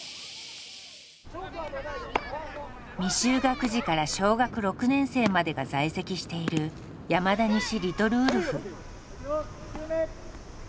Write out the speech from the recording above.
未就学児から小学６年生までが在籍している山田西リトルウルフ。